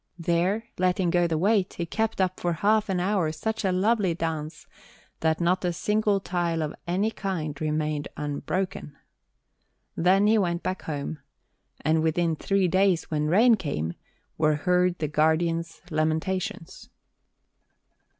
There, letting go the weight, he kept up for half an hour such a lovely dance, that not a single tile of any kind remained unbroken. Then he went back home; and within three days, when rain came, were heard the Guardian's lamentations.